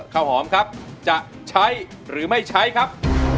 ข้าวหอมครับจะใช้หรือไม่ใช้ครับ